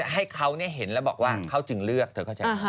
ให้เขาเนี่ยเห็นแล้วบอกว่าเขาจึงเลือกเธอก็จะ